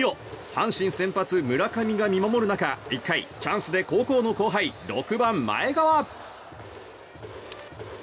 阪神先発、村上が見守る中１回、チャンスで高校の後輩６番、前川。